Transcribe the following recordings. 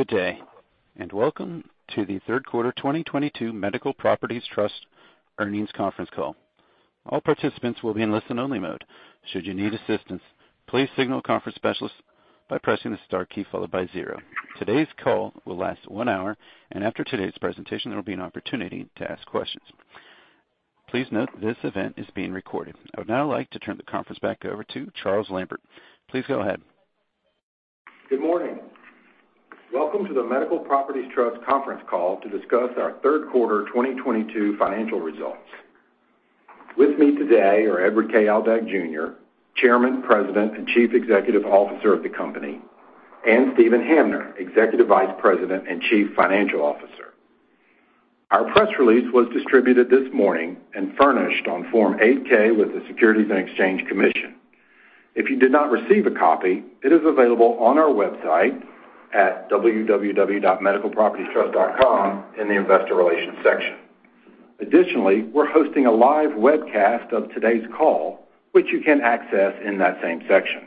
Good day, and welcome to the third quarter 2022 Medical Properties Trust earnings conference call. All participants will be in listen-only mode. Should you need assistance, please signal a conference specialist by pressing the star key followed by zero. Today's call will last one hour, and after today's presentation, there will be an opportunity to ask questions. Please note this event is being recorded. I would now like to turn the conference back over to Charles Lambert. Please go ahead. Good morning. Welcome to the Medical Properties Trust conference call to discuss our third quarter 2022 financial results. With me today are Edward K. Aldag, Jr., Chairman, President, and Chief Executive Officer of the company, and Steven Hamner, Executive Vice President and Chief Financial Officer. Our press release was distributed this morning and furnished on Form 8-K with the Securities and Exchange Commission. If you did not receive a copy, it is available on our website at www.medicalpropertiestrust.com in the Investor Relations section. Additionally, we're hosting a live webcast of today's call, which you can access in that same section.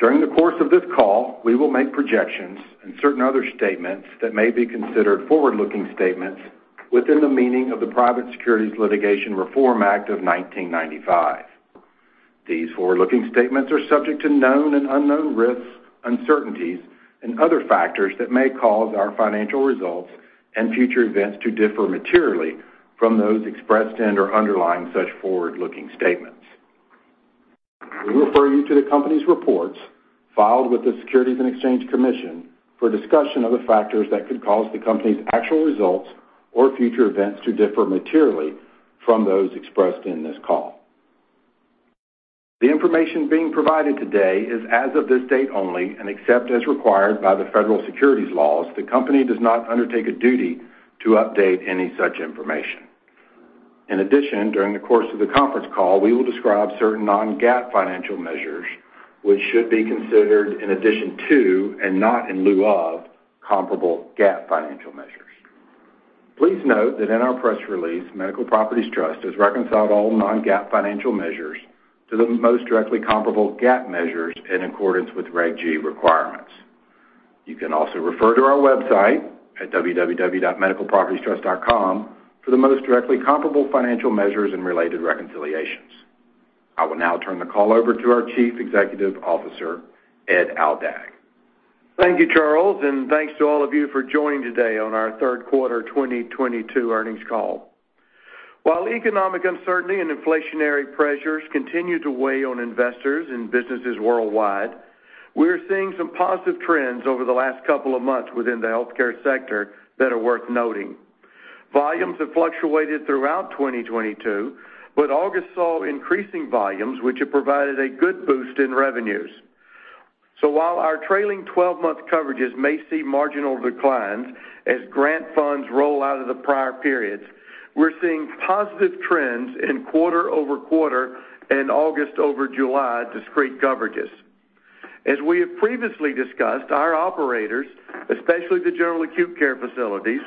During the course of this call, we will make projections and certain other statements that may be considered forward-looking statements within the meaning of the Private Securities Litigation Reform Act of 1995. These forward-looking statements are subject to known and unknown risks, uncertainties, and other factors that may cause our financial results and future events to differ materially from those expressed and/or underlying such forward-looking statements. We refer you to the company's reports filed with the Securities and Exchange Commission for a discussion of the factors that could cause the company's actual results or future events to differ materially from those expressed in this call. The information being provided today is as of this date only, and except as required by the federal securities laws, the company does not undertake a duty to update any such information. In addition, during the course of the conference call, we will describe certain non-GAAP financial measures, which should be considered in addition to, and not in lieu of, comparable GAAP financial measures. Please note that in our press release, Medical Properties Trust has reconciled all non-GAAP financial measures to the most directly comparable GAAP measures in accordance with Reg G requirements. You can also refer to our website at www.medicalpropertiestrust.com for the most directly comparable financial measures and related reconciliations. I will now turn the call over to our Chief Executive Officer, Ed Aldag. Thank you, Charles, and thanks to all of you for joining today on our third quarter 2022 earnings call. While economic uncertainty and inflationary pressures continue to weigh on investors and businesses worldwide, we are seeing some positive trends over the last couple of months within the healthcare sector that are worth noting. Volumes have fluctuated throughout 2022, but August saw increasing volumes, which have provided a good boost in revenues. While our trailing 12-month coverages may see marginal declines as grant funds roll out of the prior periods, we're seeing positive trends in quarter-over-quarter and August-over-July discrete coverages. As we have previously discussed, our operators, especially the general acute care facilities,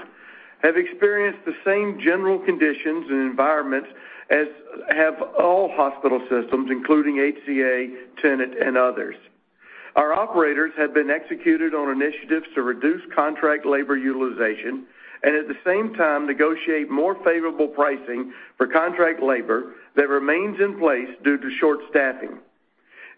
have experienced the same general conditions and environments as have all hospital systems, including HCA, Tenet, and others. Our operators have been executed on initiatives to reduce contract labor utilization and at the same time, negotiate more favorable pricing for contract labor that remains in place due to short staffing.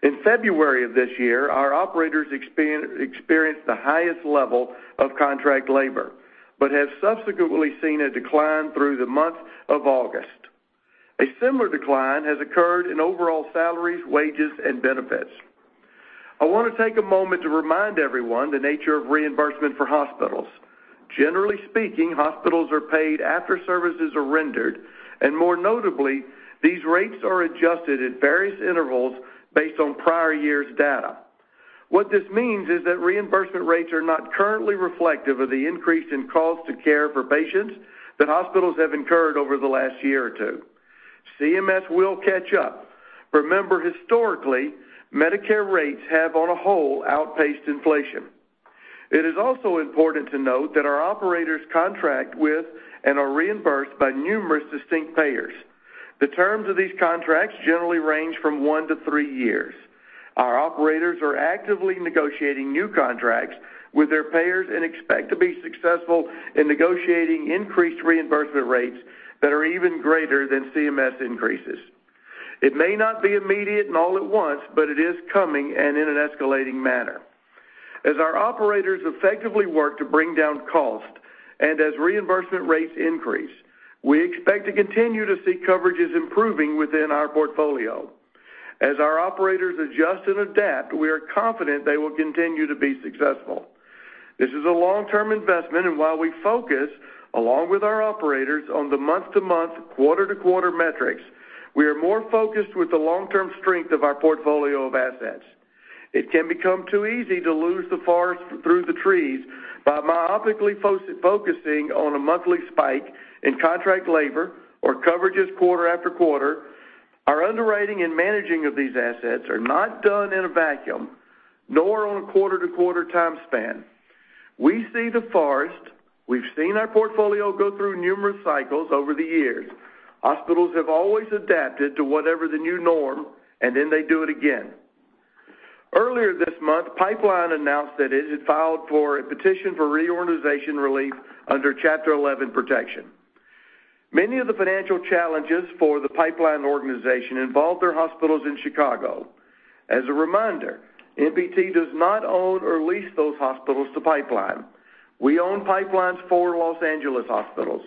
In February of this year, our operators experienced the highest level of contract labor, but have subsequently seen a decline through the month of August. A similar decline has occurred in overall salaries, wages, and benefits. I wanna take a moment to remind everyone the nature of reimbursement for hospitals. Generally speaking, hospitals are paid after services are rendered, and more notably, these rates are adjusted at various intervals based on prior year's data. What this means is that reimbursement rates are not currently reflective of the increase in cost to care for patients that hospitals have incurred over the last year or two. CMS will catch up. Remember, historically, Medicare rates have, on the whole, outpaced inflation. It is also important to note that our operators contract with and are reimbursed by numerous distinct payers. The terms of these contracts generally range from one to three years. Our operators are actively negotiating new contracts with their payers and expect to be successful in negotiating increased reimbursement rates that are even greater than CMS increases. It may not be immediate and all at once, but it is coming and in an escalating manner. As our operators effectively work to bring down costs and as reimbursement rates increase, we expect to continue to see coverages improving within our portfolio. As our operators adjust and adapt, we are confident they will continue to be successful. This is a long-term investment, and while we focus, along with our operators, on the month-to-month, quarter-to-quarter metrics, we are more focused with the long-term strength of our portfolio of assets. It can become too easy to lose the forest through the trees by myopically focusing on a monthly spike in contract labor or coverages quarter after quarter. Our underwriting and managing of these assets are not done in a vacuum, nor on a quarter-to-quarter time span. We see the forest. We've seen our portfolio go through numerous cycles over the years. Hospitals have always adapted to whatever the new norm, and then they do it again. Earlier this month, Pipeline announced that it had filed for a petition for reorganization relief under Chapter 11 protection. Many of the financial challenges for the Pipeline organization involved their hospitals in Chicago. As a reminder, MPT does not own or lease those hospitals to Pipeline. We own Pipeline's four Los Angeles hospitals.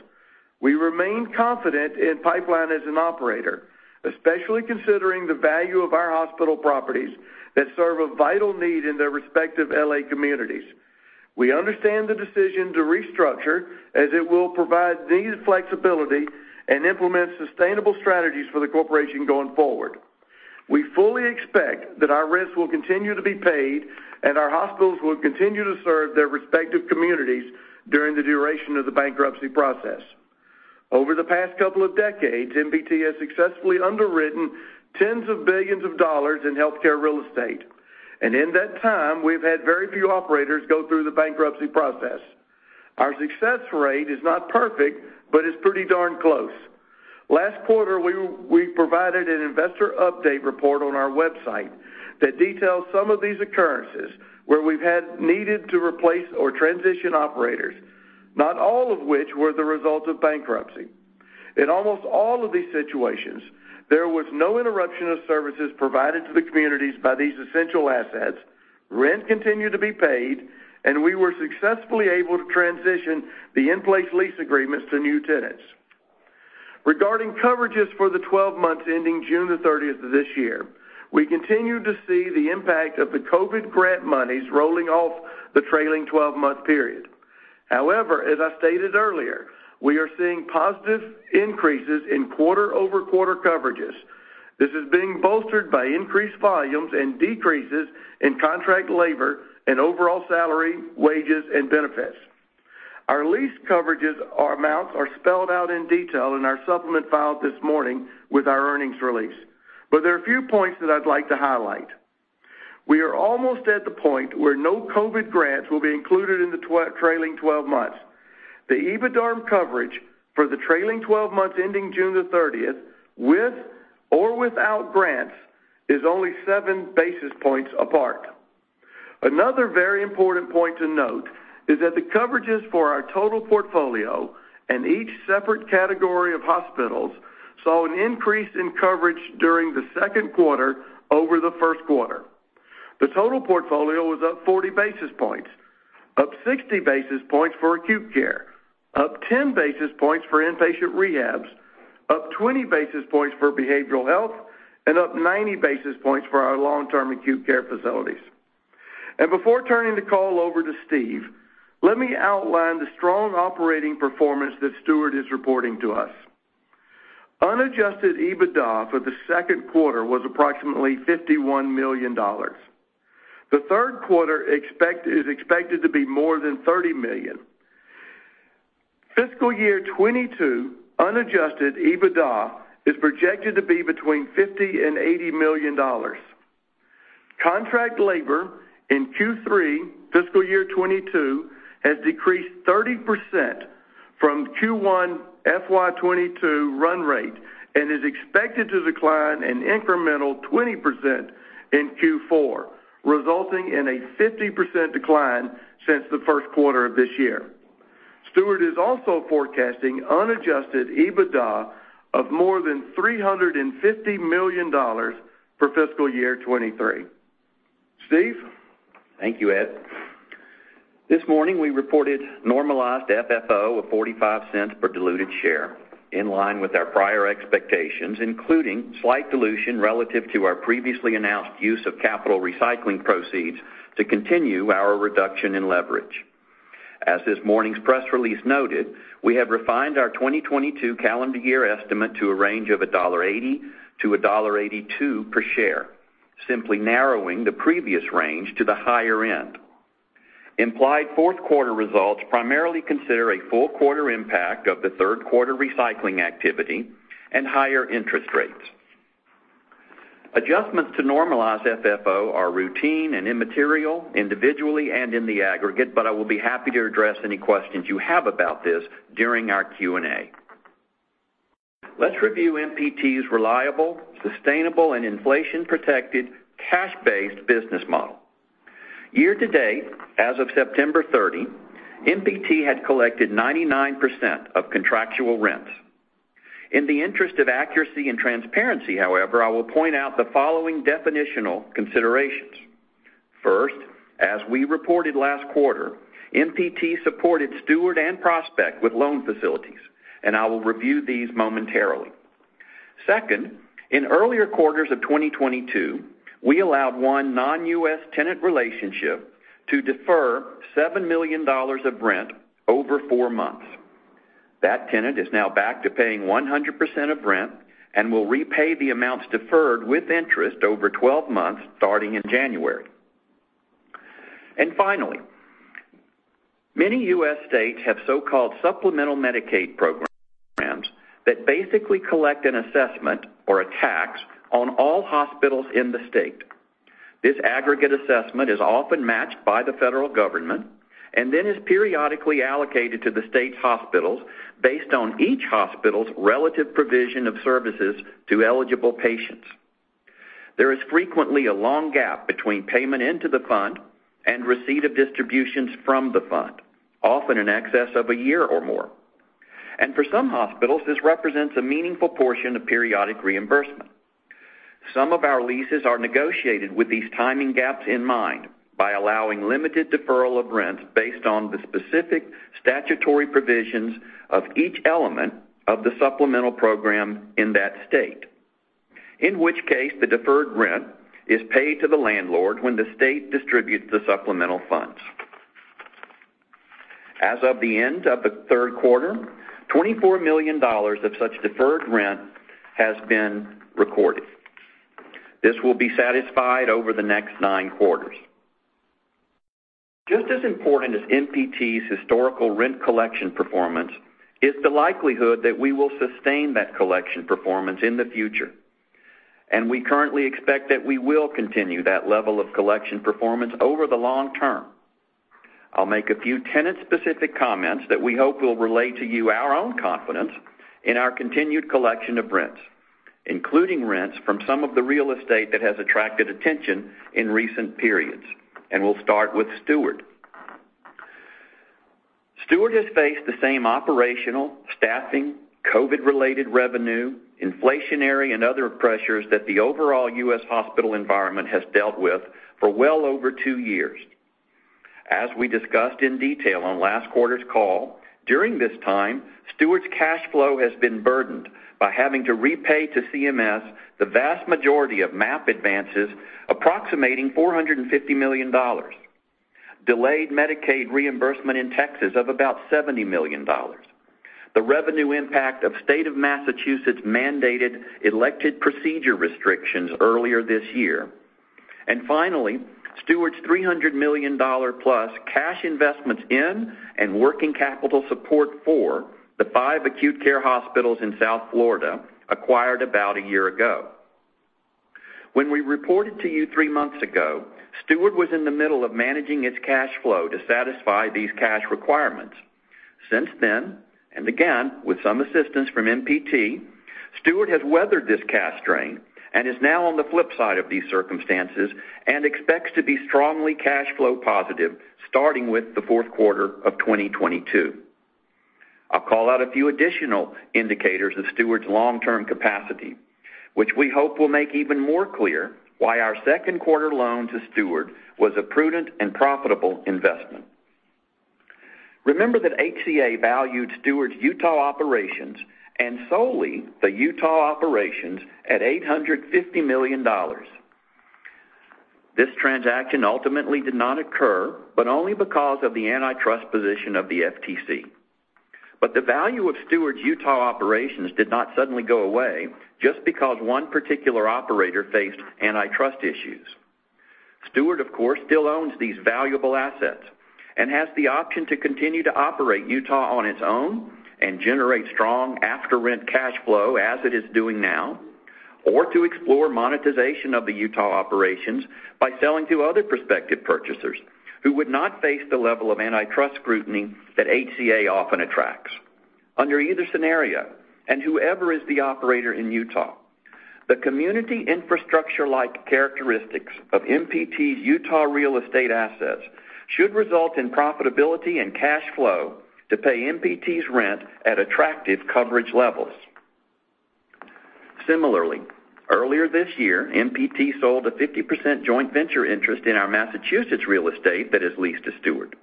We remain confident in Pipeline as an operator, especially considering the value of our hospital properties that serve a vital need in their respective L.A. communities. We understand the decision to restructure as it will provide needed flexibility and implement sustainable strategies for the corporation going forward. We fully expect that our rents will continue to be paid and our hospitals will continue to serve their respective communities during the duration of the bankruptcy process. Over the past couple of decades, MPT has successfully underwritten tens of billions of dollars in healthcare real estate, and in that time, we've had very few operators go through the bankruptcy process. Our success rate is not perfect, but it's pretty darn close. Last quarter, we provided an investor update report on our website that details some of these occurrences where we've needed to replace or transition operators, not all of which were the result of bankruptcy. In almost all of these situations, there was no interruption of services provided to the communities by these essential assets. Rent continued to be paid, and we were successfully able to transition the in-place lease agreements to new tenants. Regarding coverages for the 12 months ending June 30th of this year, we continue to see the impact of the COVID grant monies rolling off the trailing-12-month period. However, as I stated earlier, we are seeing positive increases in quarter-over-quarter coverages. This is being bolstered by increased volumes and decreases in contract labor and overall salary, wages, and benefits. Our lease coverages amounts are spelled out in detail in our supplement filed this morning with our earnings release. There are a few points that I'd like to highlight. We are almost at the point where no COVID grants will be included in the trailing 12 months. The EBITDARM coverage for the trailing 12 months ending June 30th, with or without grants, is only 7 basis points apart. Another very important point to note is that the coverages for our total portfolio and each separate category of hospitals saw an increase in coverage during the second quarter over the first quarter. The total portfolio was up 40 basis points, up 60 basis points for acute care, up 10 basis points for inpatient rehabs, up 20 basis points for behavioral health, and up 90 basis points for our long-term acute care facilities. Before turning the call over to Steve, let me outline the strong operating performance that Steward is reporting to us. Unadjusted EBITDA for the second quarter was approximately $51 million. The third quarter is expected to be more than $30 million. Fiscal year 2022 unadjusted EBITDA is projected to be between $50 million and $80 million. Contract labor in Q3 fiscal year 2022 has decreased 30% from Q1 FY 2022 run rate and is expected to decline an incremental 20% in Q4, resulting in a 50% decline since the first quarter of this year. Steward is also forecasting unadjusted EBITDA of more than $350 million for fiscal year 2023. Steve? Thank you, Ed. This morning, we reported normalized FFO of $0.45 per diluted share, in line with our prior expectations, including slight dilution relative to our previously announced use of capital recycling proceeds to continue our reduction in leverage. As this morning's press release noted, we have refined our 2022 calendar year estimate to a range of $1.80-$1.82 per share, simply narrowing the previous range to the higher end. Implied fourth quarter results primarily consider a full quarter impact of the third quarter recycling activity and higher interest rates. Adjustments to normalized FFO are routine and immaterial individually and in the aggregate, but I will be happy to address any questions you have about this during our Q&A. Let's review MPT's reliable, sustainable, and inflation-protected cash-based business model. Year-to-date, as of September 30, MPT had collected 99% of contractual rents. In the interest of accuracy and transparency, however, I will point out the following definitional considerations. First, as we reported last quarter, MPT supported Steward and Prospect with loan facilities, and I will review these momentarily. Second, in earlier quarters of 2022, we allowed one non-U.S. tenant relationship to defer $7 million of rent over four months. That tenant is now back to paying 100% of rent and will repay the amounts deferred with interest over 12 months starting in January. Finally, many U.S. states have so-called Supplemental Medicaid programs that basically collect an assessment or a tax on all hospitals in the state. This aggregate assessment is often matched by the federal government and then is periodically allocated to the state's hospitals based on each hospital's relative provision of services to eligible patients. There is frequently a long gap between payment into the fund and receipt of distributions from the fund, often in excess of a year or more. For some hospitals, this represents a meaningful portion of periodic reimbursement. Some of our leases are negotiated with these timing gaps in mind by allowing limited deferral of rents based on the specific statutory provisions of each element of the supplemental program in that state, in which case the deferred rent is paid to the landlord when the state distributes the supplemental funds. As of the end of the third quarter, $24 million of such deferred rent has been recorded. This will be satisfied over the next nine quarters. Just as important as MPT's historical rent collection performance is the likelihood that we will sustain that collection performance in the future, and we currently expect that we will continue that level of collection performance over the long term. I'll make a few tenant-specific comments that we hope will relay to you our own confidence in our continued collection of rents, including rents from some of the real estate that has attracted attention in recent periods. We'll start with Steward. Steward has faced the same operational, staffing, COVID-related revenue, inflationary, and other pressures that the overall U.S. hospital environment has dealt with for well over two years. As we discussed in detail on last quarter's call, during this time, Steward's cash flow has been burdened by having to repay to CMS the vast majority of MAP advances, approximating $450 million, delayed Medicaid reimbursement in Texas of about $70 million, the revenue impact of State of Massachusetts-mandated elective procedure restrictions earlier this year, and finally, Steward's $300 million+ cash investments in and working capital support for the five acute care hospitals in South Florida acquired about a year ago. When we reported to you three months ago, Steward was in the middle of managing its cash flow to satisfy these cash requirements. Since then, and again, with some assistance from MPT, Steward has weathered this cash strain and is now on the flip side of these circumstances and expects to be strongly cash flow positive starting with the fourth quarter of 2022. I'll call out a few additional indicators of Steward's long-term capacity, which we hope will make even more clear why our second quarter loan to Steward was a prudent and profitable investment. Remember that HCA valued Steward's Utah operations, and solely the Utah operations, at $850 million. This transaction ultimately did not occur, but only because of the antitrust position of the FTC. The value of Steward's Utah operations did not suddenly go away just because one particular operator faced antitrust issues. Steward, of course, still owns these valuable assets and has the option to continue to operate Utah on its own and generate strong after-rent cash flow as it is doing now, or to explore monetization of the Utah operations by selling to other prospective purchasers who would not face the level of antitrust scrutiny that HCA often attracts. Under either scenario, and whoever is the operator in Utah, the community infrastructure-like characteristics of MPT's Utah real estate assets should result in profitability and cash flow to pay MPT's rent at attractive coverage levels. Similarly, earlier this year, MPT sold a 50% joint venture interest in our Massachusetts real estate that is leased to Steward.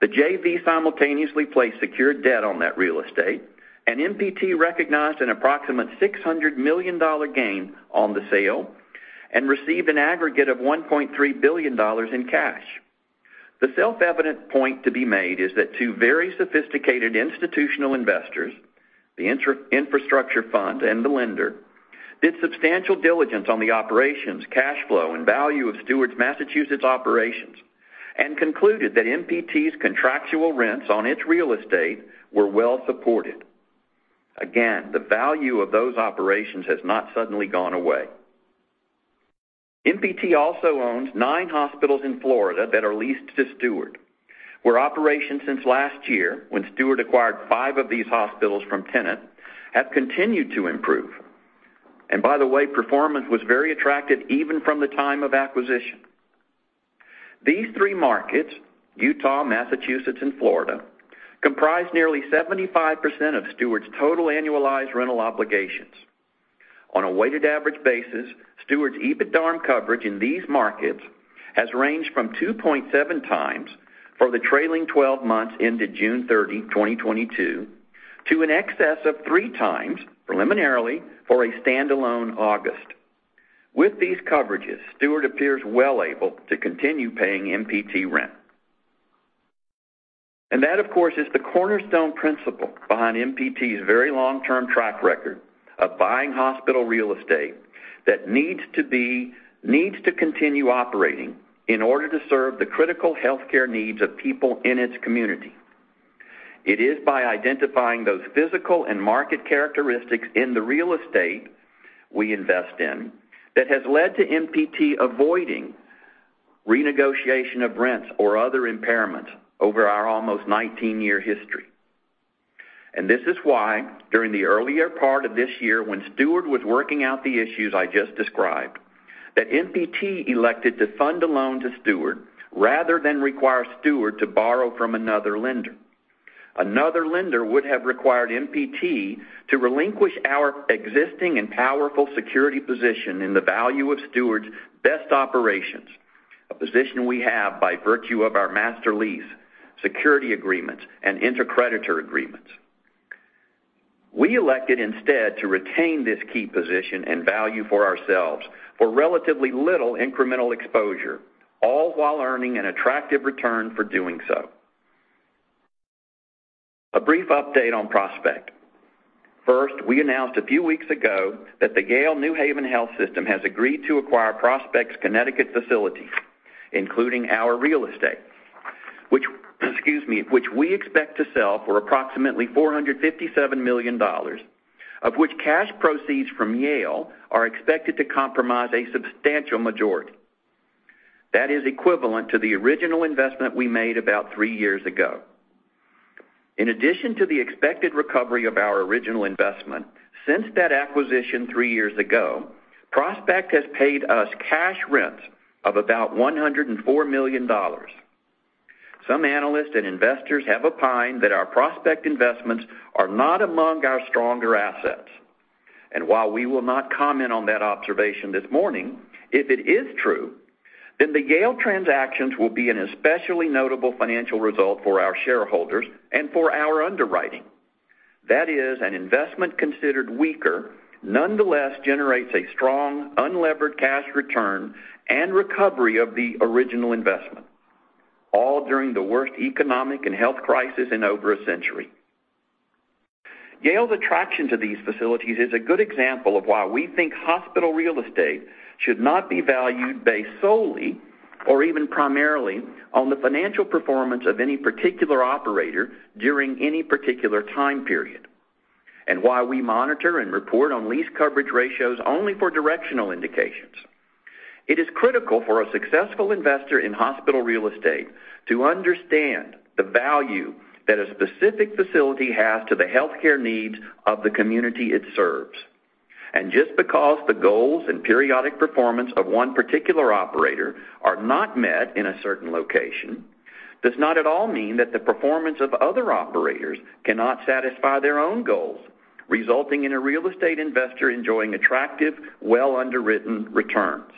The JV simultaneously placed secured debt on that real estate, and MPT recognized an approximate $600 million gain on the sale and received an aggregate of $1.3 billion in cash. The self-evident point to be made is that two very sophisticated institutional investors, the infrastructure fund and the lender, did substantial diligence on the operations, cash flow, and value of Steward's Massachusetts operations and concluded that MPT's contractual rents on its real estate were well supported. Again, the value of those operations has not suddenly gone away. MPT also owns nine hospitals in Florida that are leased to Steward, where operations since last year, when Steward acquired five of these hospitals from Tenet, have continued to improve. By the way, performance was very attractive even from the time of acquisition. These three markets, Utah, Massachusetts, and Florida, comprise nearly 75% of Steward's total annualized rental obligations. On a weighted average basis, Steward's EBITDARM coverage in these markets has ranged from 2.7x for the trailing 12 months into June 30, 2022, to an excess of 3x, preliminarily, for a standalone August. With these coverages, Steward appears well able to continue paying MPT rent. That, of course, is the cornerstone principle behind MPT's very long-term track record of buying hospital real estate that needs to continue operating in order to serve the critical healthcare needs of people in its community. It is by identifying those physical and market characteristics in the real estate we invest in that has led to MPT avoiding renegotiation of rents or other impairments over our almost 19-year history. This is why, during the earlier part of this year, when Steward was working out the issues I just described, that MPT elected to fund a loan to Steward rather than require Steward to borrow from another lender. Another lender would have required MPT to relinquish our existing and powerful security position in the value of Steward's best operations, a position we have by virtue of our master lease, security agreements, and intercreditor agreements. We elected instead to retain this key position and value for ourselves for relatively little incremental exposure, all while earning an attractive return for doing so. A brief update on Prospect. First, we announced a few weeks ago that the Yale New Haven Health System has agreed to acquire Prospect's Connecticut facility, including our real estate, which we expect to sell for approximately $457 million, of which cash proceeds from Yale are expected to comprise a substantial majority. That is equivalent to the original investment we made about three years ago. In addition to the expected recovery of our original investment, since that acquisition three years ago, Prospect has paid us cash rents of about $104 million. Some analysts and investors have opined that our Prospect investments are not among our stronger assets. While we will not comment on that observation this morning, if it is true, then the Yale transactions will be an especially notable financial result for our shareholders and for our underwriting. That is, an investment considered weaker nonetheless generates a strong unlevered cash return and recovery of the original investment, all during the worst economic and health crisis in over a century. Yale's attraction to these facilities is a good example of why we think hospital real estate should not be valued based solely or even primarily on the financial performance of any particular operator during any particular time period. While we monitor and report on lease coverage ratios only for directional indications, it is critical for a successful investor in hospital real estate to understand the value that a specific facility has to the healthcare needs of the community it serves. Just because the goals and periodic performance of one particular operator are not met in a certain location does not at all mean that the performance of other operators cannot satisfy their own goals, resulting in a real estate investor enjoying attractive, well-underwritten returns.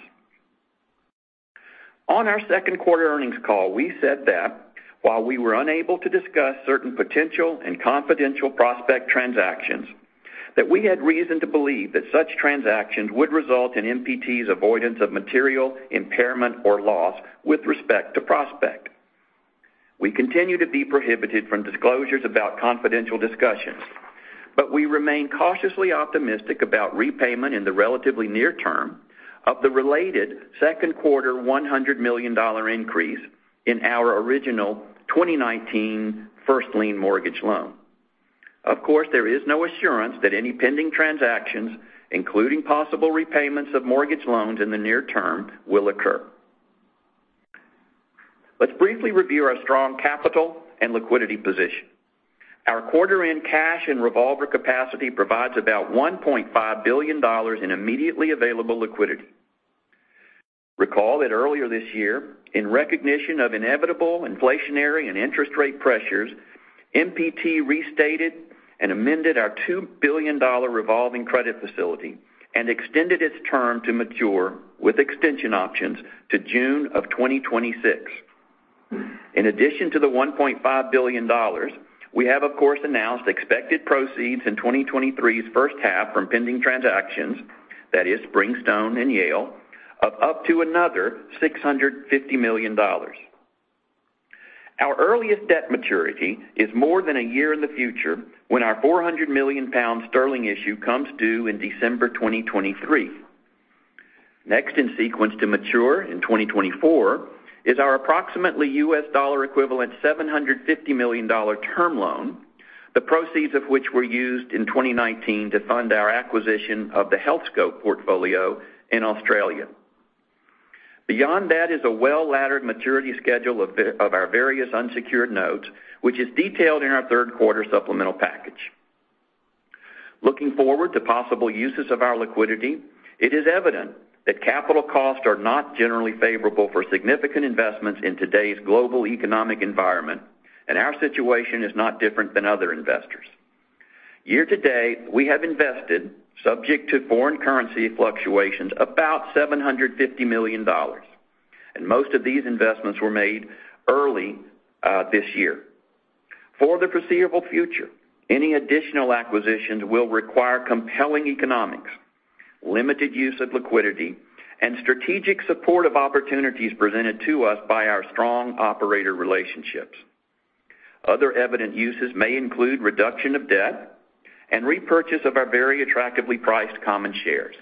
On our second quarter earnings call, we said that while we were unable to discuss certain potential and confidential Prospect transactions, that we had reason to believe that such transactions would result in MPT's avoidance of material impairment or loss with respect to Prospect. We continue to be prohibited from disclosures about confidential discussions, but we remain cautiously optimistic about repayment in the relatively near term of the related second quarter $100 million increase in our original 2019 first lien mortgage loan. Of course, there is no assurance that any pending transactions, including possible repayments of mortgage loans in the near term, will occur. Let's briefly review our strong capital and liquidity position. Our quarter-end cash and revolver capacity provides about $1.5 billion in immediately available liquidity. Recall that earlier this year, in recognition of inevitable inflationary and interest rate pressures, MPT restated and amended our $2 billion revolving credit facility and extended its term to mature with extension options to June 2026. In addition to the $1.5 billion, we have of course announced expected proceeds in 2023's first half from pending transactions, that is Springstone and Yale, of up to another $650 million. Our earliest debt maturity is more than a year in the future, when our 400 million pound issue comes due in December 2023. Next in sequence to mature in 2024 is our approximately $750 million term loan, the proceeds of which were used in 2019 to fund our acquisition of the Healthscope portfolio in Australia. Beyond that is a well-laddered maturity schedule of our various unsecured notes, which is detailed in our third quarter Supplemental Package. Looking forward to possible uses of our liquidity, it is evident that capital costs are not generally favorable for significant investments in today's global economic environment, and our situation is not different than other investors. Year-to-date, we have invested, subject to foreign currency fluctuations, about $750 million, and most of these investments were made early this year. For the foreseeable future, any additional acquisitions will require compelling economics, limited use of liquidity, and strategic support of opportunities presented to us by our strong operator relationships. Other evident uses may include reduction of debt and repurchase of our very attractively priced common shares.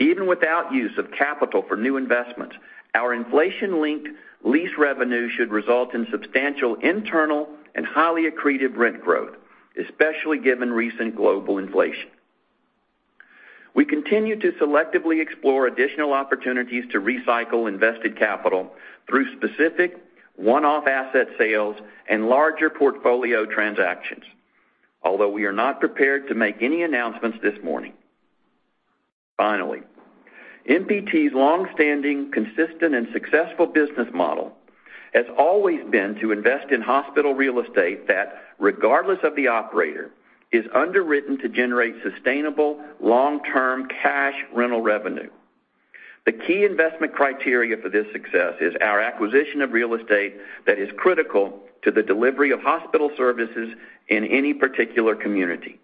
Even without use of capital for new investments, our inflation-linked lease revenue should result in substantial internal and highly accretive rent growth, especially given recent global inflation. We continue to selectively explore additional opportunities to recycle invested capital through specific one-off asset sales and larger portfolio transactions, although we are not prepared to make any announcements this morning. Finally, MPT's longstanding, consistent, and successful business model has always been to invest in hospital real estate that, regardless of the operator, is underwritten to generate sustainable long-term cash rental revenue. The key investment criteria for this success is our acquisition of real estate that is critical to the delivery of hospital services in any particular community.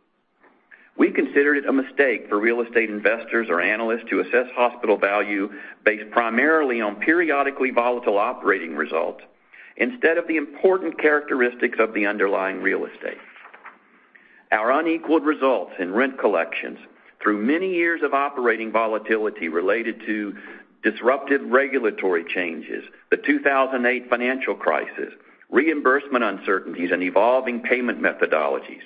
We considered it a mistake for real estate investors or analysts to assess hospital value based primarily on periodically volatile operating results instead of the important characteristics of the underlying real estate. Our unequaled results in rent collections through many years of operating volatility related to disruptive regulatory changes, the 2008 financial crisis, reimbursement uncertainties, and evolving payment methodologies,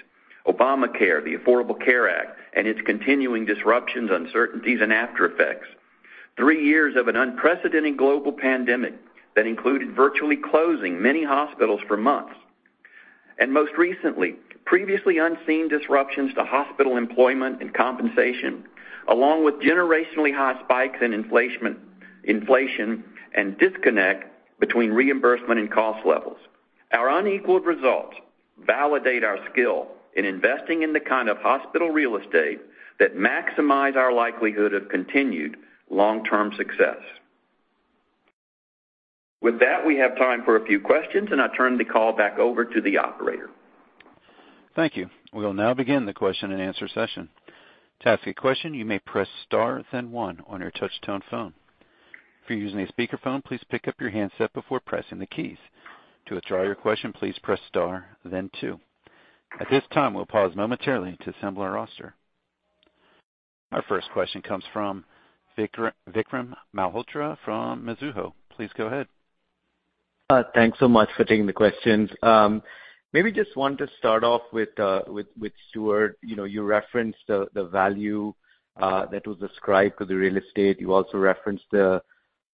Obamacare, the Affordable Care Act, and its continuing disruptions, uncertainties, and after effects. Three years of an unprecedented global pandemic that included virtually closing many hospitals for months, and most recently, previously unseen disruptions to hospital employment and compensation, along with generationally high spikes in inflation and disconnect between reimbursement and cost levels. Our unequaled results validate our skill in investing in the kind of hospital real estate that maximize our likelihood of continued long-term success. With that, we have time for a few questions, and I turn the call back over to the operator. Thank you. We'll now begin the question-and-answer session. To ask a question, you may press star then one on your touch-tone phone. If you're using a speakerphone, please pick up your handset before pressing the keys. To withdraw your question, please press star then two. At this time, we'll pause momentarily to assemble our roster. Our first question comes from Vikram Malhotra from Mizuho. Please go ahead. Thanks so much for taking the questions. Maybe just want to start off with Steward. You know, you referenced the value that was ascribed to the real estate. You also referenced the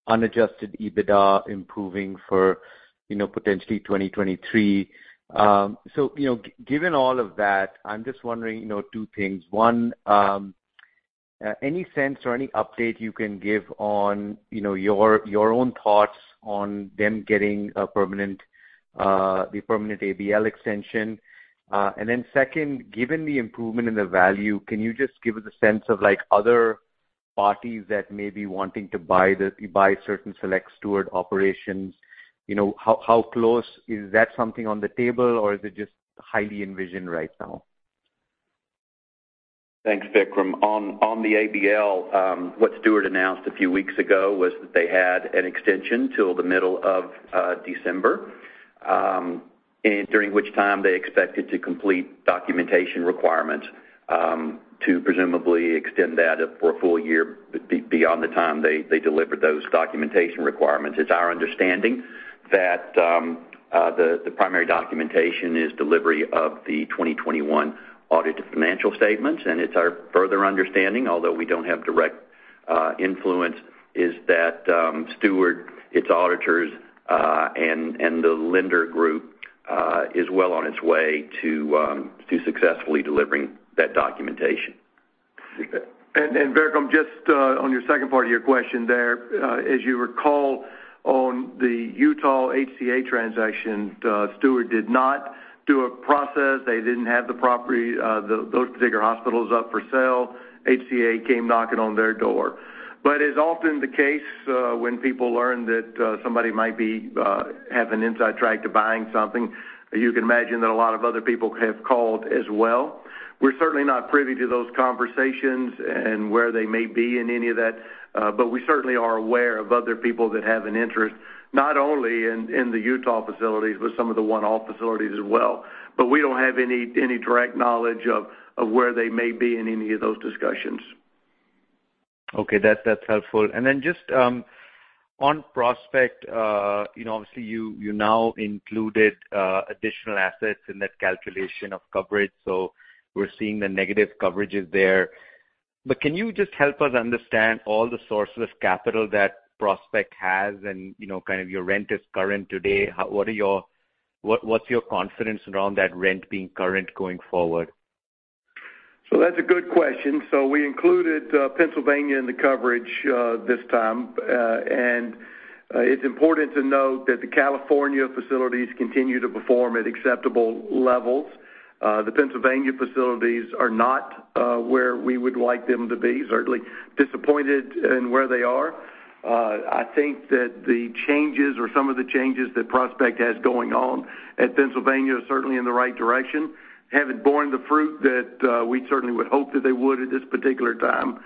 unadjusted EBITDA improving for, you know, potentially 2023. You know, given all of that, I'm just wondering, you know, two things. One, any sense or any update you can give on, you know, your own thoughts on them getting a permanent ABL extension. Then second, given the improvement in the value, can you just give us a sense of like, other parties that may be wanting to buy certain select Steward operations? You know, how close? Is that something on the table or is it just highly envisioned right now? Thanks, Vikram. On the ABL, what Steward announced a few weeks ago was that they had an extension till the middle of December, and during which time they expected to complete documentation requirements, to presumably extend that for a full year beyond the time they delivered those documentation requirements. It's our understanding that the primary documentation is delivery of the 2021 audited financial statements, and it's our further understanding, although we don't have direct influence, is that Steward, its auditors, and the lender group is well on its way to successfully delivering that documentation. Vikram, just on your second part of your question there, as you recall, on the Utah HCA transaction, Steward did not do a process. They didn't have the property, those particular hospitals up for sale. HCA came knocking on their door. As often the case, when people learn that somebody might have an inside track to buying something, you can imagine that a lot of other people have called as well. We're certainly not privy to those conversations and where they may be in any of that, but we certainly are aware of other people that have an interest, not only in the Utah facilities, but some of the one-off facilities as well. We don't have any direct knowledge of where they may be in any of those discussions. Okay. That's helpful. Then just on Prospect, you know, obviously you now included additional assets in that calculation of coverage, so we're seeing the negative coverages there. Can you just help us understand all the sources of capital that Prospect has and, you know, kind of your rent is current today. What's your confidence around that rent being current going forward? That's a good question. We included Pennsylvania in the coverage this time. It's important to note that the California facilities continue to perform at acceptable levels. The Pennsylvania facilities are not where we would like them to be. Certainly disappointed in where they are. I think that the changes or some of the changes that Prospect has going on at Pennsylvania certainly in the right direction. Haven't borne the fruit that we certainly would hope that they would at this particular time.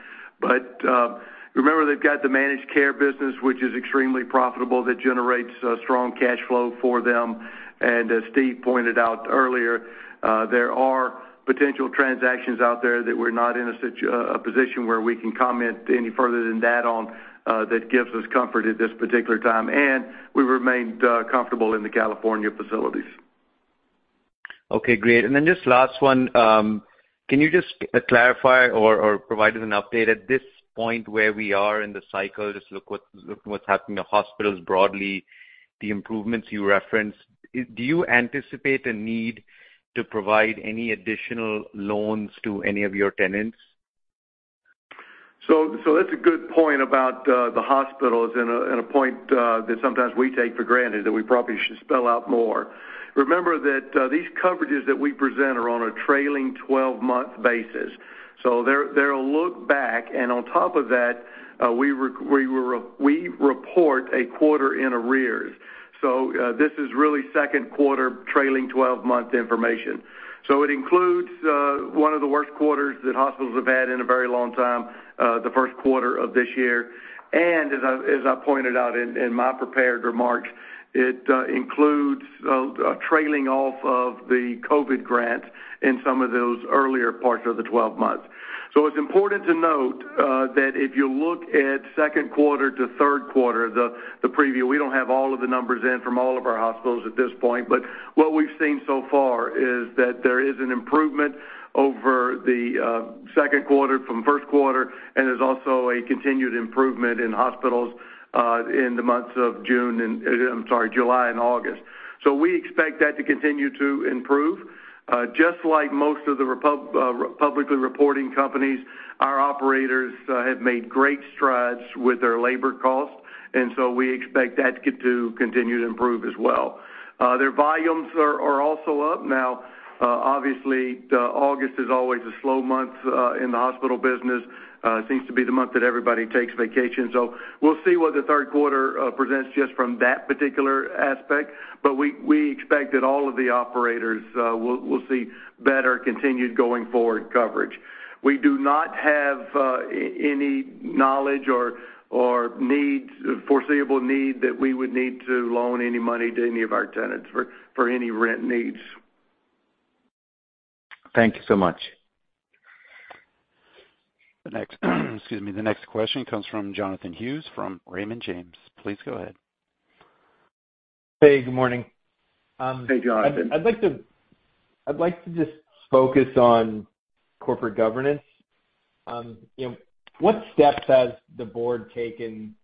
Remember they've got the managed care business, which is extremely profitable, that generates strong cash flow for them. As Steven pointed out earlier, there are potential transactions out there that we're not in a position where we can comment any further than that on, that gives us comfort at this particular time, and we remained comfortable in the California facilities. Okay, great. Just last one. Can you just clarify or provide us an update at this point where we are in the cycle, just look what's happening to hospitals broadly, the improvements you referenced. Do you anticipate a need to provide any additional loans to any of your tenants? That's a good point about the hospitals and a point that sometimes we take for granted that we probably should spell out more. Remember that these coverages that we present are on a trailing 12-month basis. They're a look back, and on top of that, we report a quarter in arrears. This is really second quarter trailing 12-month information. It includes one of the worst quarters that hospitals have had in a very long time, the first quarter of this year. As I pointed out in my prepared remarks, it includes a trailing off of the COVID grant in some of those earlier parts of the 12 months. It's important to note that if you look at second quarter to third quarter, the preview, we don't have all of the numbers in from all of our hospitals at this point, but what we've seen so far is that there is an improvement over the second quarter from first quarter, and there's also a continued improvement in hospitals in the months of July and August. We expect that to continue to improve. Just like most of the publicly reporting companies, our operators have made great strides with their labor costs, and so we expect that to continue to improve as well. Their volumes are also up now. Obviously, August is always a slow month in the hospital business. It seems to be the month that everybody takes vacation. We'll see what the third quarter presents just from that particular aspect. We expect that all of the operators will see better continued going forward coverage. We do not have any knowledge or foreseeable needs that we would need to loan any money to any of our tenants for any rent needs. Thank you so much. The next question comes from Jonathan Hughes from Raymond James. Please go ahead. Hey, good morning. Hey, Jonathan. I'd like to just focus on corporate governance. You know, what steps has the board taken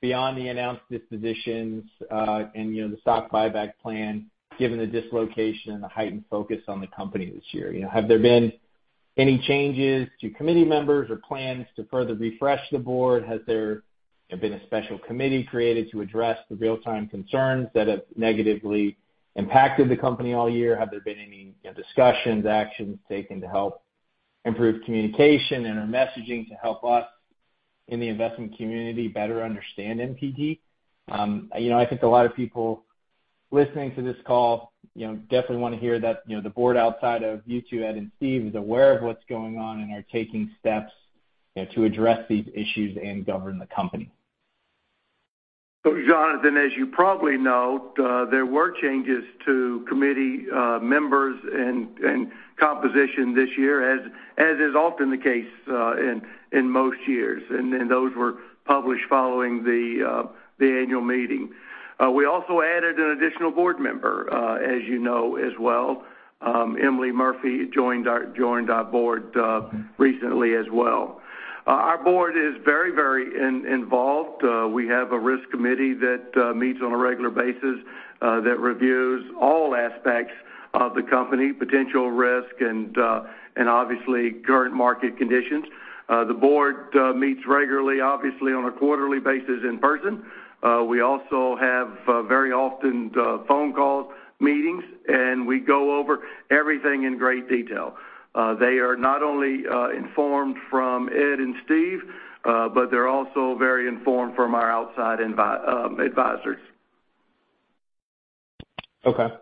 beyond the announced dispositions, and, you know, the stock buyback plan, given the dislocation and the heightened focus on the company this year? You know, have there been any changes to committee members or plans to further refresh the board? Has there been a special committee created to address the real-time concerns that have negatively impacted the company all year? Have there been any, you know, discussions, actions taken to help improve communication and our messaging to help us in the investment community better understand MPW? You know, I think a lot of people listening to this call, you know, definitely wanna hear that, you know, the board outside of you two, Ed and Steve, is aware of what's going on and are taking steps, you know, to address these issues and govern the company. Jonathan, as you probably know, there were changes to committee members and composition this year, as is often the case, in most years. Those were published following the annual meeting. We also added an additional board member, as you know as well. Emily Murphy joined our Board recently as well. Our Board is very involved. We have a Risk Committee that meets on a regular basis that reviews all aspects of the company, potential risk and obviously current market conditions. The board meets regularly, obviously on a quarterly basis in person. We also have very often phone call meetings, and we go over everything in great detail. They are not only informed from Ed and Steve, but they're also very informed from our outside advisors. Okay.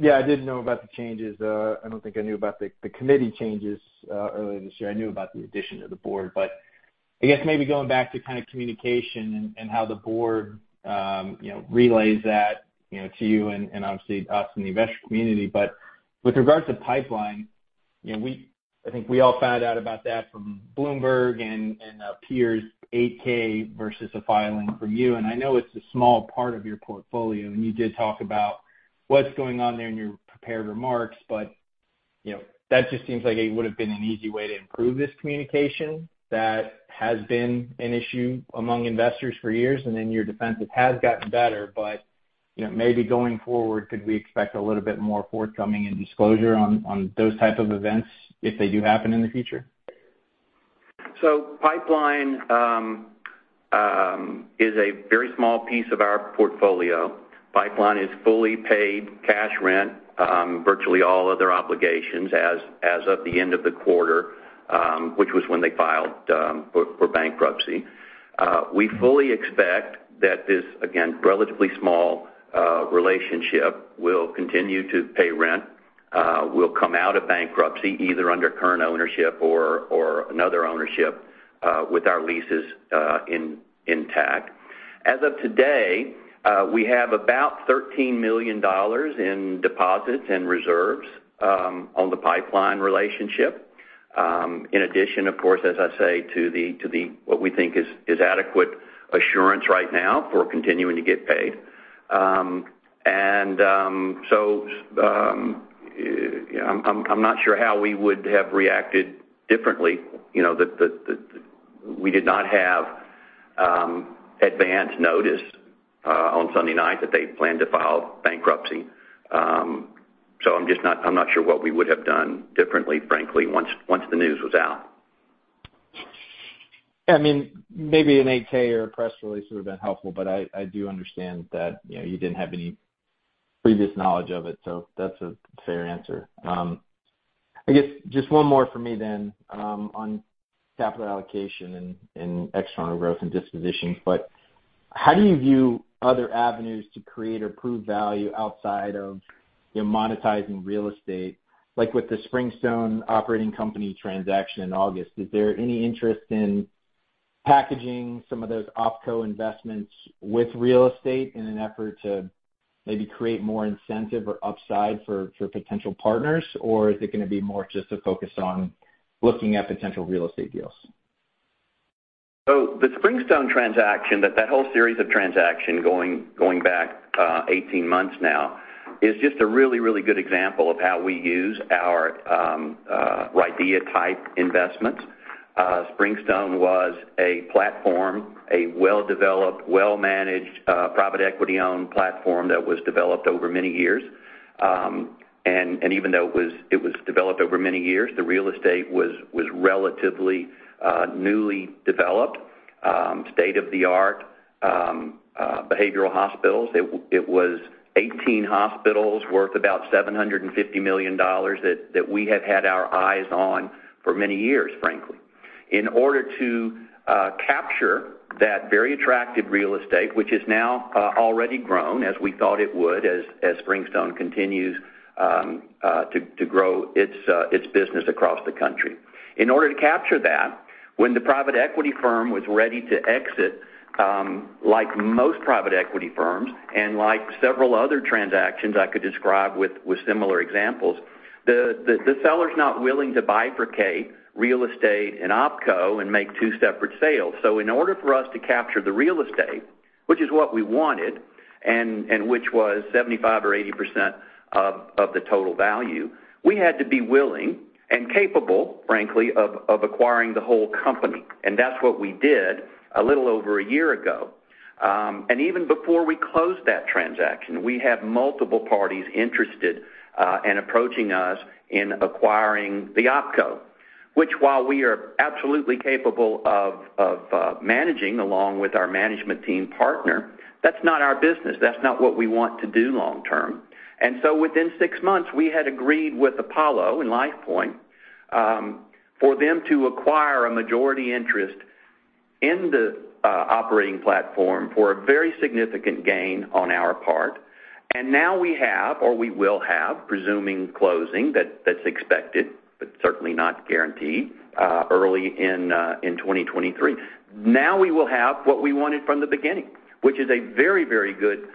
Yeah, I did know about the changes. I don't think I knew about the committee changes earlier this year. I knew about the addition to the board. I guess maybe going back to kind of communication and how the board you know relays that you know to you and obviously us in the investor community. With regards to Pipeline, you know, I think we all found out about that from Bloomberg and their 8-K versus a filing from you. I know it's a small part of your portfolio, and you did talk about what's going on there in your prepared remarks, but you know that just seems like it would have been an easy way to improve this communication that has been an issue among investors for years. In your defense, it has gotten better, but, you know, maybe going forward, could we expect a little bit more forthcoming and disclosure on those type of events if they do happen in the future? Pipeline is a very small piece of our portfolio. Pipeline is fully paid cash rent, virtually all other obligations as of the end of the quarter, which was when they filed for bankruptcy. We fully expect that this, again, relatively small relationship will continue to pay rent, will come out of bankruptcy, either under current ownership or another ownership, with our leases intact. As of today, we have about $13 million in deposits and reserves on the Pipeline relationship. In addition, of course, as I say to the what we think is adequate assurance right now for continuing to get paid. Yeah, I'm not sure how we would have reacted differently, you know. We did not have advanced notice on Sunday night that they planned to file bankruptcy. I'm just not sure what we would have done differently, frankly, once the news was out. Yeah. I mean, maybe an 8-K or a press release would have been helpful, but I do understand that, you know, you didn't have any previous knowledge of it, so that's a fair answer. I guess just one more for me then, on capital allocation and external growth and dispositions. How do you view other avenues to create or prove value outside of, you know, monetizing real estate? Like with the Springstone operating company transaction in August, is there any interest in packaging some of those OpCo investments with real estate in an effort to maybe create more incentive or upside for potential partners? Or is it gonna be more just a focus on looking at potential real estate deals? The Springstone transaction, that whole series of transaction going back 18 months now, is just a really, really good example of how we use our RIDEA-type investments. Springstone was a platform, a well-developed, well-managed private equity-owned platform that was developed over many years. Even though it was developed over many years, the real estate was relatively newly developed, state-of-the-art behavioral hospitals. It was 18 hospitals worth about $750 million that we have had our eyes on for many years, frankly. In order to capture that very attractive real estate, which has now already grown, as we thought it would, as Springstone continues to grow its business across the country. In order to capture that, when the private equity firm was ready to exit, like most private equity firms, and like several other transactions I could describe with similar examples, the seller's not willing to bifurcate real estate and OpCo and make two separate sales. In order for us to capture the real estate, which is what we wanted, and which was 75% or 80% of the total value, we had to be willing and capable, frankly, of acquiring the whole company. That's what we did a little over a year ago. Even before we closed that transaction, we had multiple parties interested and approaching us in acquiring the OpCo, which while we are absolutely capable of managing along with our management team partner, that's not our business. That's not what we want to do long term. Within six months, we had agreed with Apollo and LifePoint for them to acquire a majority interest in the operating platform for a very significant gain on our part. Now we have, or we will have, presuming closing, that's expected, but certainly not guaranteed, early in 2023. Now we will have what we wanted from the beginning, which is a very, very good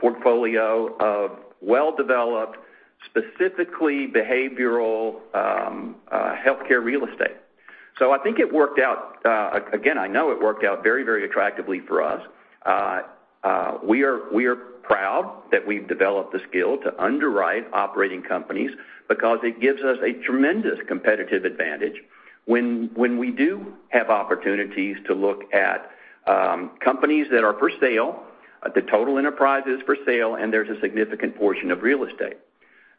portfolio of well-developed, specifically behavioral, healthcare real estate. I think it worked out, again, I know it worked out very, very attractively for us. We are proud that we've developed the skill to underwrite operating companies because it gives us a tremendous competitive advantage when we do have opportunities to look at companies that are for sale, the total enterprise is for sale, and there's a significant portion of real estate.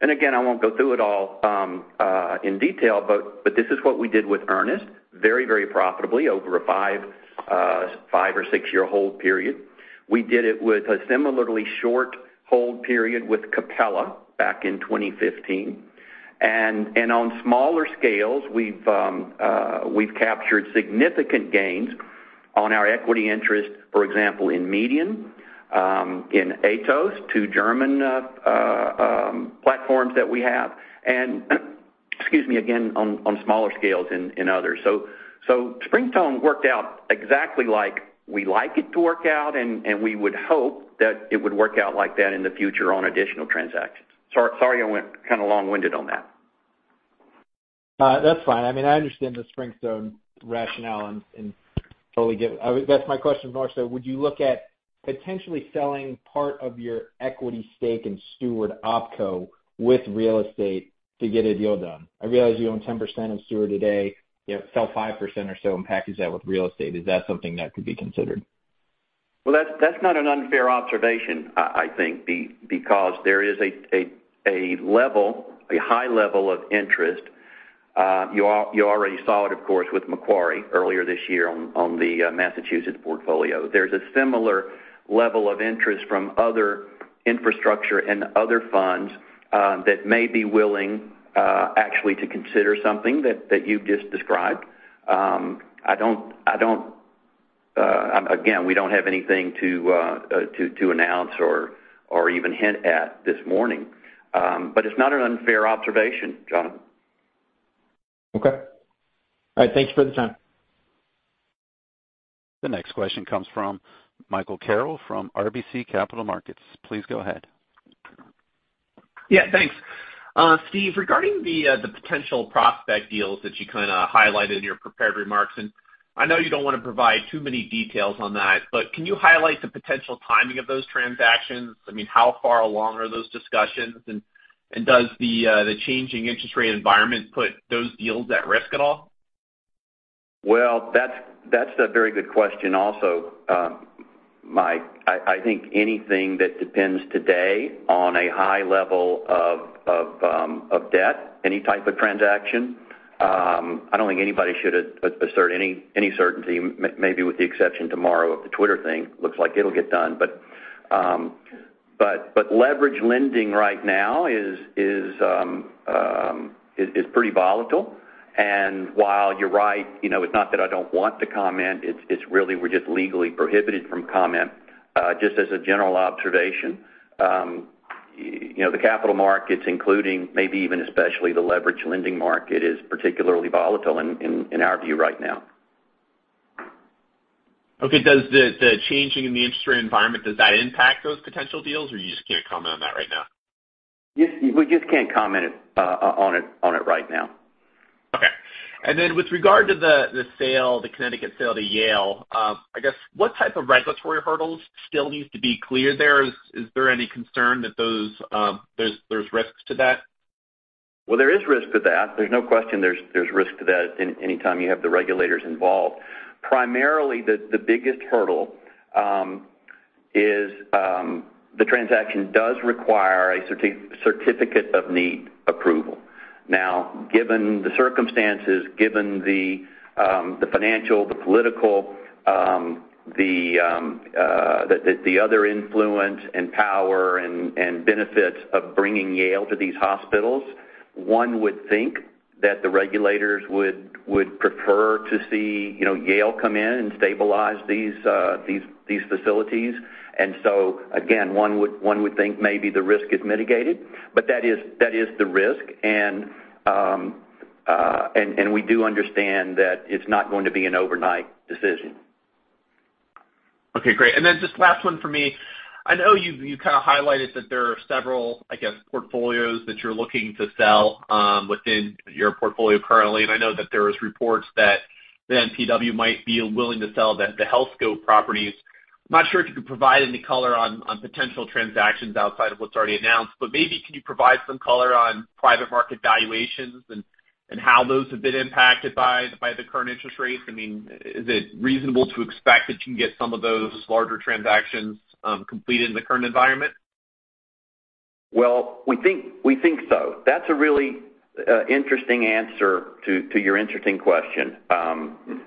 Again, I won't go through it all in detail, but this is what we did with Ernest, very profitably over a five- or six-year hold period. We did it with a similarly short hold period with Capella back in 2015. On smaller scales, we've captured significant gains on our equity interest, for example, in MEDIAN, in ATOS, two German platforms that we have. Excuse me, again on smaller scales in others. Springstone worked out exactly like we like it to work out, and we would hope that it would work out like that in the future on additional transactions. Sorry I went kind of long-winded on that. That's fine. I mean, I understand the Springstone rationale and totally get. That's my question more so, would you look at potentially selling part of your equity stake in Steward OpCo with real estate to get a deal done? I realize you own 10% of Steward today. You know, sell 5% or so and package that with real estate. Is that something that could be considered? Well, that's not an unfair observation, I think, because there is a high level of interest. You already saw it, of course, with Macquarie earlier this year on the Massachusetts portfolio. There's a similar level of interest from other infrastructure and other funds that may be willing, actually, to consider something that you've just described. Again, we don't have anything to announce or even hint at this morning. It's not an unfair observation, Jon. Okay. All right. Thanks for the time. The next question comes from Michael Carroll from RBC Capital Markets. Please go ahead. Yeah, thanks. Steve, regarding the potential Prospect deals that you kinda highlighted in your prepared remarks, and I know you don't wanna provide too many details on that, but can you highlight the potential timing of those transactions? I mean, how far along are those discussions? And does the changing interest rate environment put those deals at risk at all? Well, that's a very good question also, Mike. I think anything that depends today on a high level of debt, any type of transaction, I don't think anybody should assert any certainty, maybe with the exception tomorrow of the X thing, looks like it'll get done. Leverage lending right now is pretty volatile. While you're right, you know, it's not that I don't want to comment, it's really we're just legally prohibited from commenting. Just as a general observation, you know, the capital markets, including maybe even especially the leverage lending market, is particularly volatile in our view right now. Okay. Does the change in the interest rate environment, does that impact those potential deals, or you just can't comment on that right now? Yes, we just can't comment on it right now. Okay. With regard to the sale, the Connecticut sale to Yale, I guess, what type of regulatory hurdles still needs to be cleared there? Is there any concern that those, there's risks to that? Well, there is risk to that. There's no question there's risk to that anytime you have the regulators involved. Primarily, the biggest hurdle is the transaction does require a Certificate of Need approval. Now, given the circumstances, given the financial, the political, the other influence and power and benefits of bringing Yale to these hospitals, one would think that the regulators would prefer to see, you know, Yale come in and stabilize these facilities. Again, one would think maybe the risk is mitigated, but that is the risk. We do understand that it's not going to be an overnight decision. Okay, great. Just last one for me. I know you've kinda highlighted that there are several, I guess, portfolios that you're looking to sell within your portfolio currently. I know that there was reports that MPW might be willing to sell the Healthscope properties. I'm not sure if you could provide any color on potential transactions outside of what's already announced, but maybe could you provide some color on private market valuations and how those have been impacted by the current interest rates? I mean, is it reasonable to expect that you can get some of those larger transactions completed in the current environment? Well, we think so. That's a really interesting answer to your interesting question.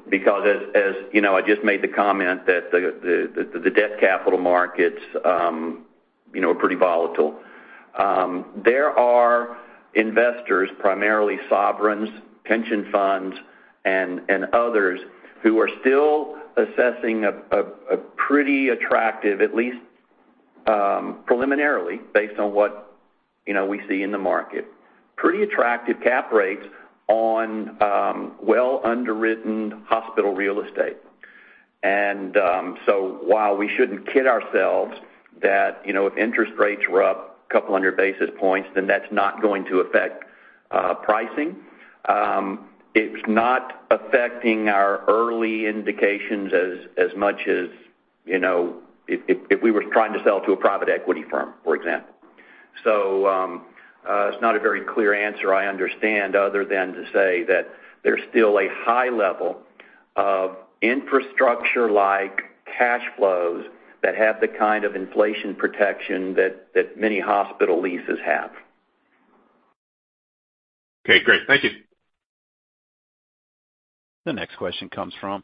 Because as you know, I just made the comment that the debt capital markets you know are pretty volatile. There are investors, primarily sovereigns, pension funds and others, who are still assessing a pretty attractive, at least preliminarily, based on what you know we see in the market, pretty attractive cap rates on well underwritten hospital real estate. While we shouldn't kid ourselves that you know if interest rates were up a couple hundred basis points, then that's not going to affect pricing. It's not affecting our early indications as much as you know if we were trying to sell to a private equity firm, for example. It's not a very clear answer, I understand, other than to say that there's still a high level of infrastructure-like cash flows that have the kind of inflation protection that many hospital leases have. Okay, great. Thank you. The next question comes from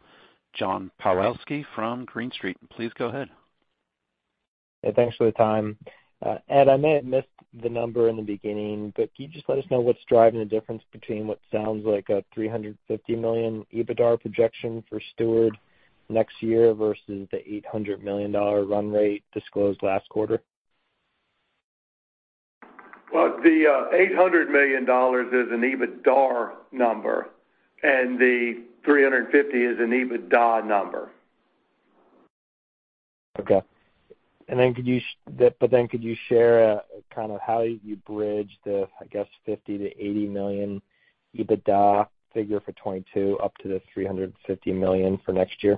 John Pawlowski from Green Street. Please go ahead. Thanks for the time. Ed, I may have missed the number in the beginning, but can you just let us know what's driving the difference between what sounds like a $350 million EBITDAR projection for Steward next year versus the $800 million run rate disclosed last quarter? Well, the $800 million is an EBITDAR number, and the $350 million is an EBITDA number. Could you share kind of how you bridge the $50 million-$80 million EBITDA figure for 2022 up to the $350 million for next year?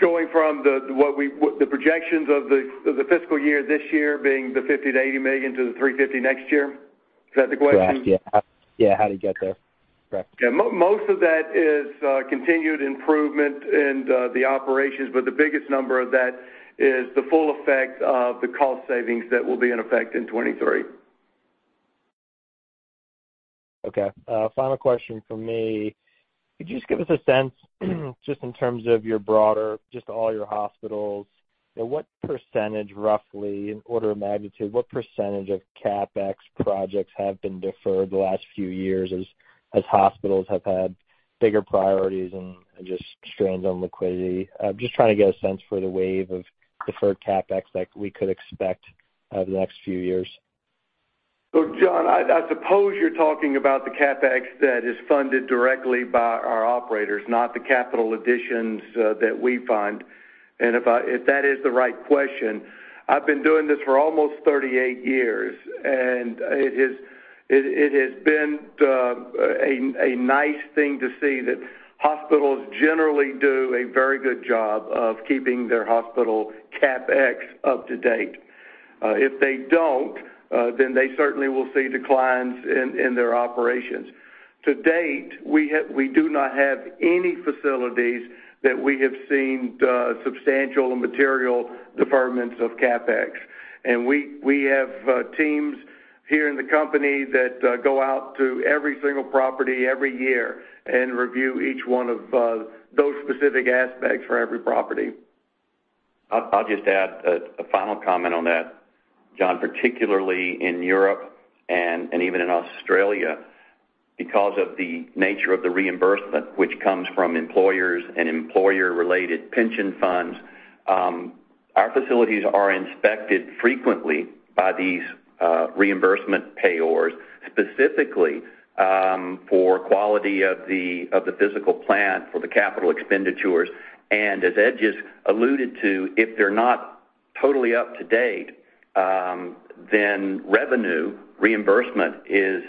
Going from the projections of the fiscal year this year being the $50 million-$80 million to the $350 million next year? Is that the question? Yes. Yeah. Yeah, how to get there. Correct. Yeah. Most of that is continued improvement in the operations, but the biggest number of that is the full effect of the cost savings that will be in effect in 2023. Okay. Final question from me. Could you just give us a sense just in terms of your broader, just all your hospitals, you know, what percentage roughly, in order of magnitude, what percentage of CapEx projects have been deferred the last few years as hospitals have had bigger priorities and just strains on liquidity? I'm just trying to get a sense for the wave of deferred CapEx that we could expect, the next few years. John, I suppose you're talking about the CapEx that is funded directly by our operators, not the capital additions that we fund. If that is the right question, I've been doing this for almost 38 years, and it has been a nice thing to see that hospitals generally do a very good job of keeping their hospital CapEx up to date. If they don't, then they certainly will see declines in their operations. To date, we do not have any facilities that we have seen substantial and material deferments of CapEx. We have teams here in the company that go out to every single property every year and review each one of those specific aspects for every property. I'll just add a final comment on that. John, particularly in Europe and even in Australia, because of the nature of the reimbursement which comes from employers and employer-related pension funds, our facilities are inspected frequently by these reimbursement payers, specifically, for quality of the physical plant for the capital expenditures. As Ed just alluded to, if they're not totally up to date, then revenue reimbursement is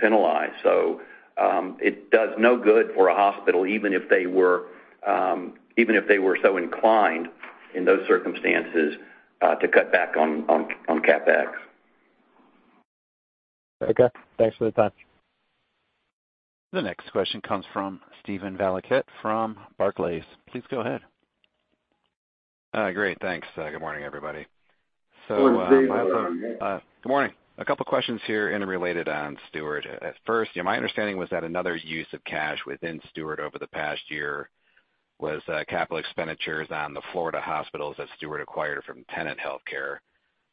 penalized. It does no good for a hospital, even if they were so inclined in those circumstances, to cut back on CapEx. Okay. Thanks for the time. The next question comes from Steven Valiquette from Barclays. Please go ahead. Great. Thanks. Good morning, everybody. Good morning. Good morning. A couple questions here interrelated on Steward. At first, you know, my understanding was that another use of cash within Steward over the past year was capital expenditures on the Florida hospitals that Steward acquired from Tenet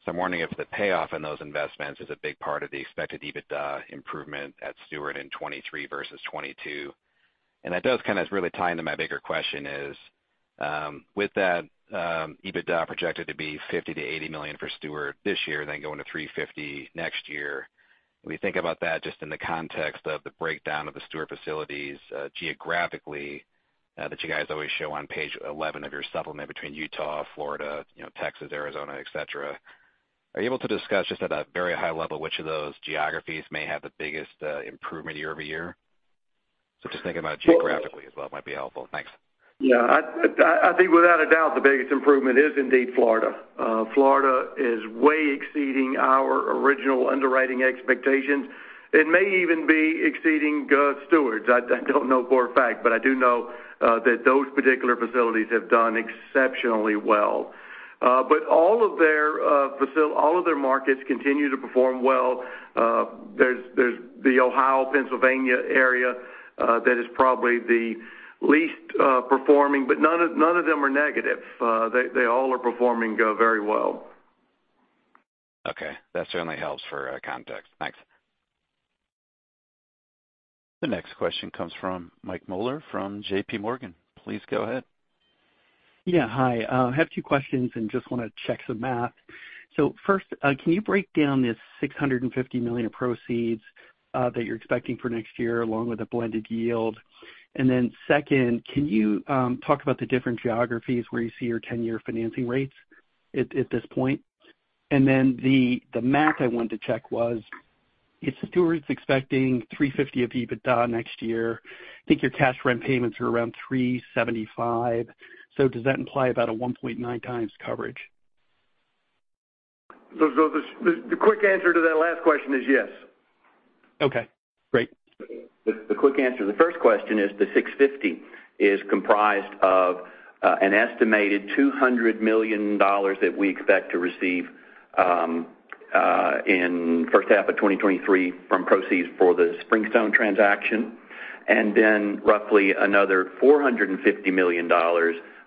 Healthcare. I'm wondering if the payoff on those investments is a big part of the expected EBITDA improvement at Steward in 2023 versus 2022. That does kind of really tie into my bigger question is, with that, EBITDA projected to be $50 million-$80 million for Steward this year, then going to $350 million next year, we think about that just in the context of the breakdown of the Steward facilities, geographically, that you guys always show on page 11 of your supplement between Utah, Florida, you know, Texas, Arizona, etc. Are you able to discuss just at a very high level, which of those geographies may have the biggest improvement year-over-year? So just thinking about it geographically as well might be helpful. Thanks. Yeah. I think without a doubt, the biggest improvement is indeed Florida. Florida is way exceeding our original underwriting expectations. It may even be exceeding Steward's. I don't know for a fact, but I do know that those particular facilities have done exceptionally well. But all of their markets continue to perform well. There's the Ohio-Pennsylvania area that is probably the least performing, but none of them are negative. They all are performing very well. Okay. That certainly helps for context. Thanks. The next question comes from Mike Mueller from JPMorgan. Please go ahead. Yeah. Hi. I have two questions and just wanna check some math. First, can you break down this $650 million of proceeds that you're expecting for next year, along with a blended yield? Second, can you talk about the different geographies where you see your ten-year financing rates at this point? The math I wanted to check was, if Steward's expecting $350 million of EBITDA next year, I think your cash rent payments are around $375 million. Does that imply about a 1.9x coverage? The quick answer to that last question is yes. Okay, great. The quick answer to the first question is the $650 million is comprised of an estimated $200 million that we expect to receive in first half of 2023 from proceeds for the Springstone transaction, and then roughly another $450 million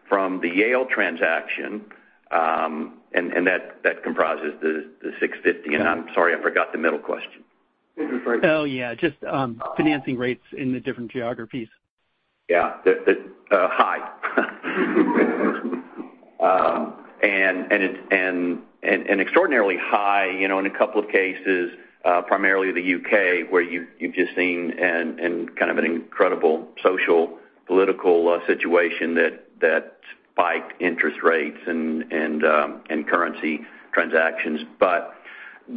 from the Yale transaction, and that comprises the $650 million. I'm sorry, I forgot the middle question. Oh, yeah, just financing rates in the different geographies. Yeah. The high. And it's extraordinarily high, you know, in a couple of cases, primarily the U.K., where you've just seen a kind of incredible social, political situation that spiked interest rates and currency transactions.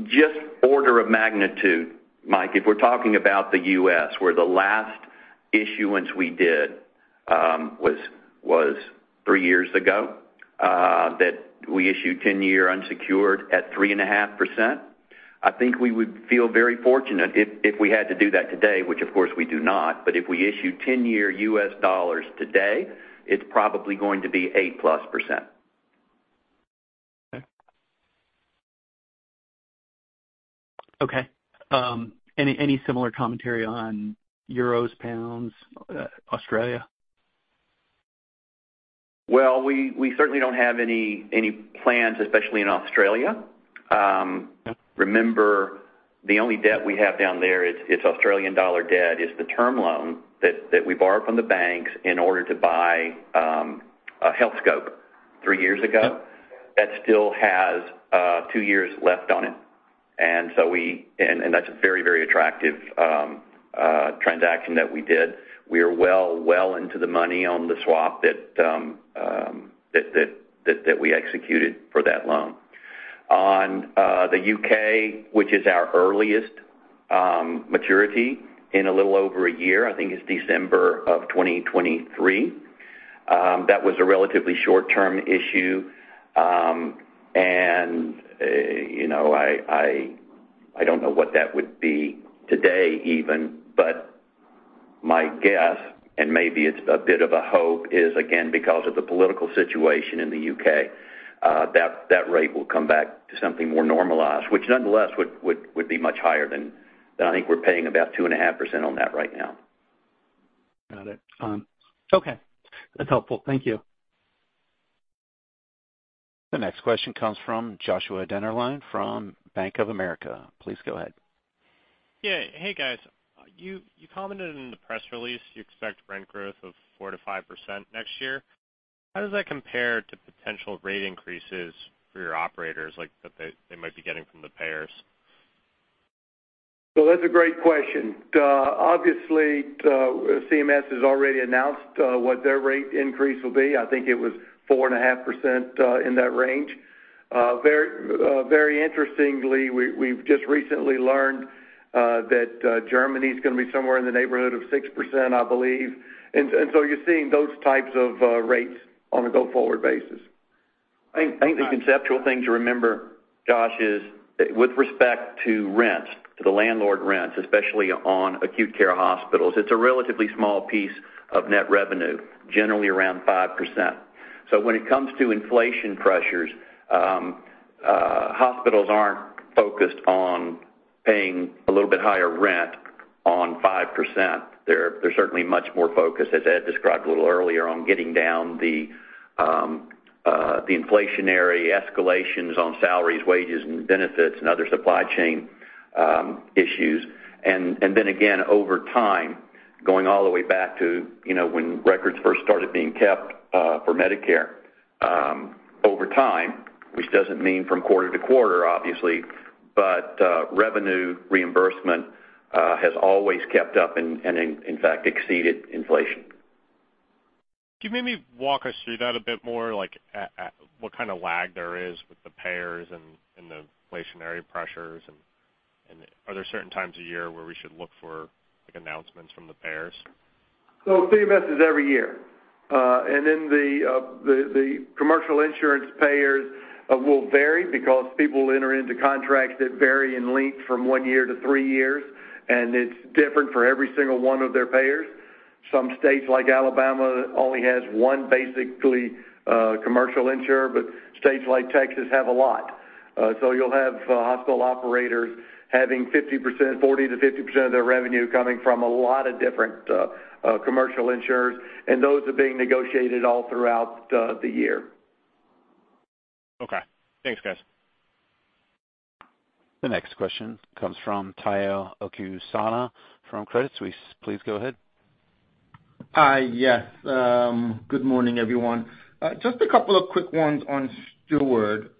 Just order of magnitude, Mike, if we're talking about the U.S., where the last issuance we did was three years ago, that we issued 10-year unsecured at 3.5%, I think we would feel very fortunate if we had to do that today, which of course we do not. If we issue 10-year U.S. dollars today, it's probably going to be 8%+. Okay. Any similar commentary on euros, pounds, Australia? Well, we certainly don't have any plans, especially in Australia. Yeah. The only debt we have down there, it's Australian dollar debt, is the term loan that we borrowed from the banks in order to buy Healthscope three years ago. Yeah. That still has two years left on it. That's a very, very attractive transaction that we did. We are well into the money on the swap that we executed for that loan. On the U.K., which is our earliest maturity in a little over a year, I think it's December 2023, that was a relatively short-term issue. You know, I don't know what that would be today even, but my guess, and maybe it's a bit of a hope, is again, because of the political situation in the U.K., that rate will come back to something more normalized, which nonetheless would be much higher than I think we're paying about 2.5% on that right now. Got it. Okay. That's helpful. Thank you. The next question comes from Joshua Dennerlein from Bank of America. Please go ahead. Yeah. Hey, guys. You commented in the press release you expect rent growth of 4%-5% next year. How does that compare to potential rate increases for your operators, like that they might be getting from the payers? That's a great question. Obviously, CMS has already announced what their rate increase will be. I think it was 4.5%, in that range. Very interestingly, we've just recently learned that Germany's gonna be somewhere in the neighborhood of 6%, I believe. You're seeing those types of rates on a go-forward basis. I think the conceptual thing to remember, Josh, is with respect to rents, to the landlord rents, especially on acute care hospitals, it's a relatively small piece of net revenue, generally around 5%. When it comes to inflation pressures, hospitals aren't focused on paying a little bit higher rent on 5%. They're certainly much more focused, as Ed described a little earlier, on getting down the inflationary escalations on salaries, wages and benefits and other supply chain issues. Then again, over time, going all the way back to, you know, when records first started being kept, for Medicare, over time, which doesn't mean from quarter to quarter, obviously, but revenue reimbursement has always kept up and in fact exceeded inflation. Can you maybe walk us through that a bit more? Like at what kind of lag there is with the payers and the inflationary pressures? Are there certain times of year where we should look for, like, announcements from the payers? CMS is every year. The commercial insurance payers will vary because people enter into contracts that vary in length from one year to three years, and it's different for every single one of their payers. Some states like Alabama only has one, basically, commercial insurer, but states like Texas have a lot. You'll have hospital operators having 40%-50% of their revenue coming from a lot of different commercial insurers, and those are being negotiated all throughout the year. Okay. Thanks, guys. The next question comes from Omotayo Okusanya from Credit Suisse. Please go ahead. Good morning, everyone. Just a couple of quick ones on Steward.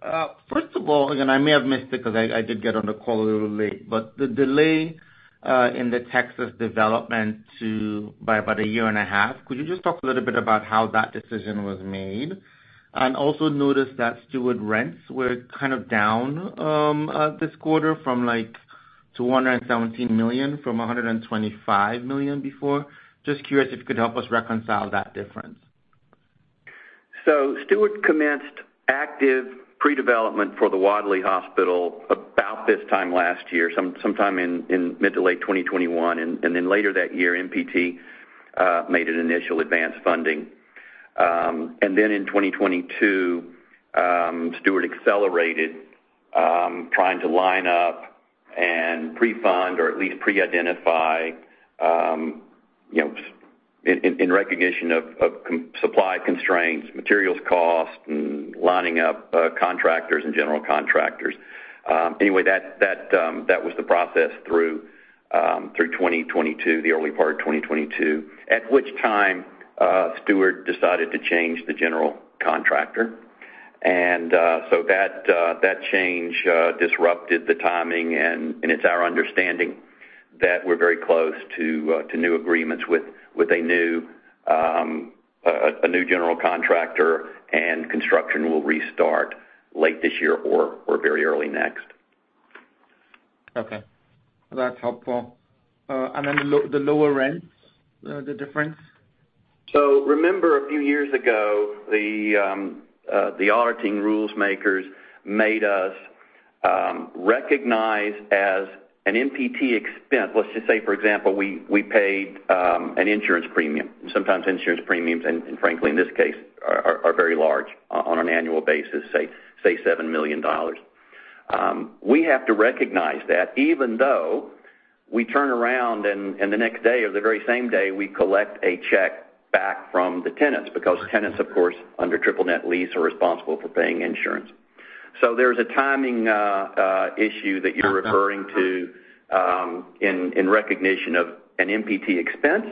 First of all, again, I may have missed it because I did get on the call a little late, but the delay in the Texas development by about 1.5 years. Could you just talk a little bit about how that decision was made? Also noticed that Steward rents were kind of down this quarter to $117 million from $125 million before. Just curious if you could help us reconcile that difference. Steward commenced active pre-development for the Wadley Regional Medical Center about this time last year, sometime in mid to late 2021, and then later that year, MPT made an initial advance funding. In 2022, Steward accelerated trying to line up and pre-fund or at least pre-identify, you know, in recognition of supply constraints, materials cost, and lining up contractors and general contractors. Anyway, that was the process through the early part of 2022, at which time Steward decided to change the general contractor. That change disrupted the timing, and it's our understanding that we're very close to new agreements with a new general contractor, and construction will restart late this year or very early next. Okay. That's helpful. The lower rents, the difference? Remember a few years ago, auditing rules makers made us recognize as an MPT expense. Let's just say, for example, we paid an insurance premium. Sometimes insurance premiums, and frankly, in this case are very large on an annual basis, say $7 million. We have to recognize that even though we turn around and the next day or the very same day, we collect a check back from the tenants because tenants, of course, under triple net lease are responsible for paying insurance. There's a timing issue that you're referring to in recognition of an MPT expense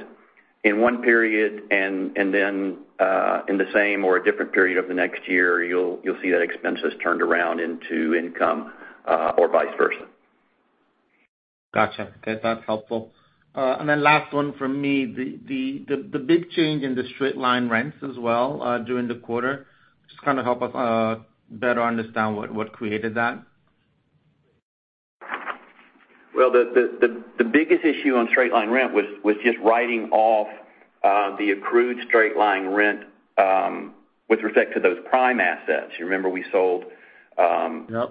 in one period and then in the same or a different period of the next year, you'll see that expenses turned around into income or vice versa. Gotcha. Okay, that's helpful. Last one from me, the big change in the straight line rents as well, during the quarter, just kinda help us better understand what created that? Well, the biggest issue on straight line rent was just writing off the accrued straight line rent with respect to those Prime assets. You remember we sold- Yep.